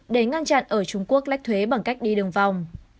để ngăn chặn ở trung quốc lách thuế bằng cách đi đường vòng